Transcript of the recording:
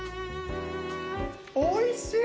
おいしい！